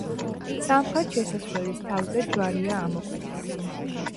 სამხრეთ შესასვლელის თავზე ჯვარია ამოკვეთილი.